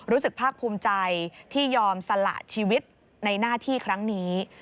รู้สึกภาคภูมิใจที่ยอมสละชีวิตในหน้าที่ครั้งนี้